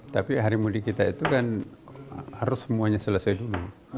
tapi hari mudik kita itu kan harus semuanya selesai dulu